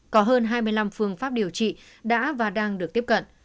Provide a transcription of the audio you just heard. có hơn hai mươi năm phương pháp điều trị đã và đang được tiếp cận